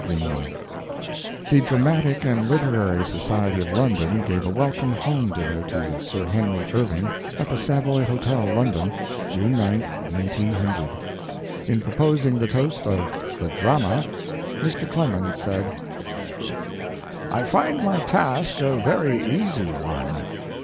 HENRY IRVING The Dramatic and Literary Society of London gave a welcome home dinner to Sir Henry Irving at the Savoy Hotel, London, June 9, 1900. In proposing the toast of "The Drama" Mr. Clemens said: I find my task a very easy one.